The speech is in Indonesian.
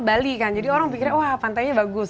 bali kan jadi orang pikir wah pantainya bagus